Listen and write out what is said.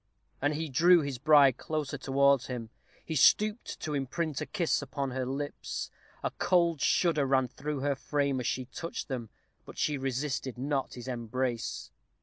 And he drew his bride closer towards him. He stooped to imprint a kiss upon her lips. A cold shudder ran through her frame as he touched them, but she resisted not his embrace.